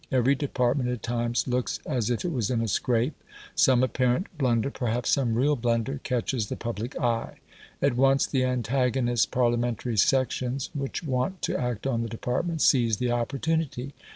Every department at times looks as if it was in a scrape; some apparent blunder, perhaps some real blunder, catches the public eye. At once the antagonist Parliamentary sections, which want to act on the department, seize the opportunity.